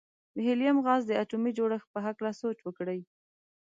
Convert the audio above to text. د هیلیم غاز د اتومي جوړښت په هکله سوچ وکړئ.